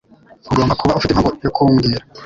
Ugomba kuba ufite impamvu yo kumbwira.